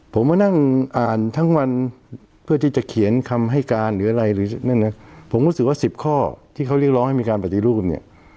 ผมมานั่งอ่านทั้งวันเพื่อที่จะเขียนคำให้การหรืออะไรหรือนั่นนะผมรู้สึกว่าสิบข้อที่เขาเรียกร้องให้มีการปฏิรูปเนี่ย